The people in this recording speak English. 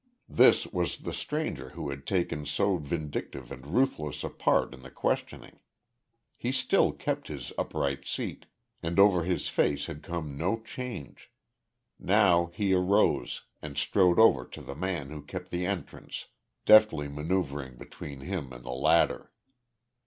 This was the stranger who had taken so vindictive and ruthless a part in the questioning. He still kept his upright seat, and over his face had come no change. Now he arose, and strode over to the man who kept the entrance, deftly manoeuvring between him and the latter.